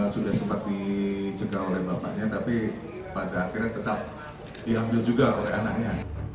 sudah sempat dicegah oleh bapaknya tapi pada akhirnya tetap diambil juga oleh anaknya